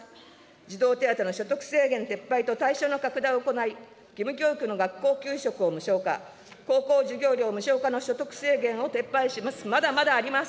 児童手当の所得制限撤廃と対象の拡大を行い、義務教育の学校給食を無償化、高校授業料無償化の所得制限を撤廃します。